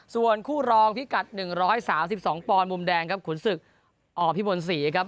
ส่วนคู่รองพี่กัดหนึ่งร้อยสามสิบสองปอนด์มุมแดงครับขุนศึกออกพี่บนสี่นะครับ